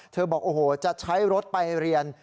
บอกโอ้โหจะใช้รถไปเรียน